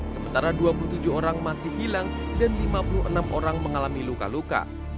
sementara dua puluh tujuh orang masih hilang dan lima puluh enam orang mengalami luka luka